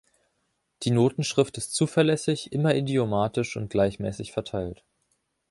Die Notenschrift ist zuverlässig, immer idiomatisch und gleichmäßig verteilt.